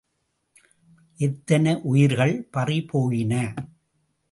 எத்தனை உயிர்கள் பறிபோயின.